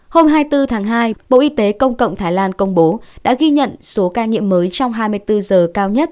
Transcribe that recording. hôm hai mươi bốn tháng hai bộ y tế công cộng thái lan công bố đã ghi nhận số ca nhiễm mới trong hai mươi bốn giờ cao nhất